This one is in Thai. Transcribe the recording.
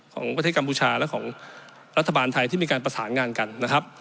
ของประเทศกัมพูชาและของรัฐบาลไทยที่มีการประสานงานกันนะครับ